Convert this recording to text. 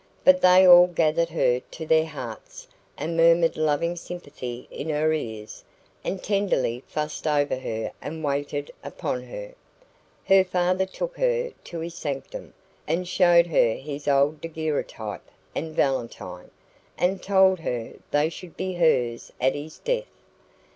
But they all gathered her to their hearts, and murmured loving sympathy in her ears, and tenderly fussed over her and waited upon her. Her father took her to his sanctum, and showed her his old daguerreotype and valentine, and told her they should be hers at his death.